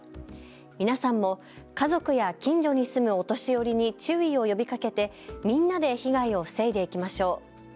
皆さんも家族や近所に住むお年寄りに注意を呼びかけて、みんなで被害を防いでいきましょう。